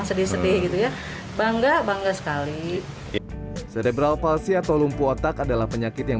sedih sedih gitu ya bangga bangga sekali serebral palsi atau lumpuh otak adalah penyakit yang